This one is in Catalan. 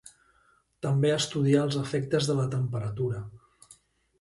També estudiar els efectes de la temperatura.